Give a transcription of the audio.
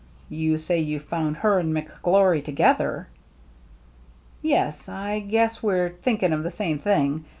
" You say you found her and McGlory together ?"" Yes. I guess we're thinking of the same thing.